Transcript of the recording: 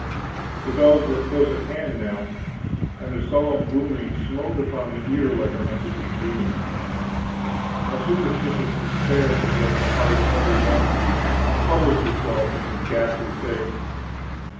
The bells were close at hand now, and their solemn booming smote upon the ear like a message of doom. A superstitious despair possessed the heart of every monk and published itself in his ghastly face.